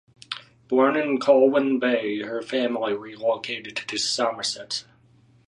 Born in Colwyn Bay her family relocated to Somerset.